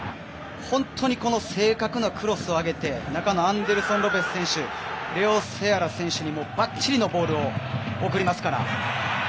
本当に正確なクロスを上げて中のアンデルソン・ロペス選手レオ・セアラ選手にもばっちりのボールを送りますから。